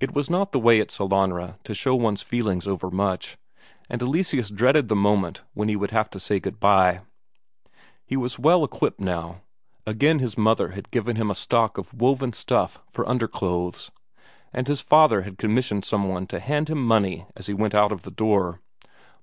It was not the way at Sellanraa to show one's feelings overmuch, and Eleseus dreaded the moment when he would have to say good bye. He was well equipped now; again his mother had given him a stock of woven stuff for underclothes, and his father had commissioned some one to hand him money as he went out of the door.